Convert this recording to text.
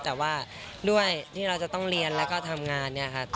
แต่ว่าด้วยที่เราจะต้องเรียนแล้วก็ทำงานเนี่ยค่ะ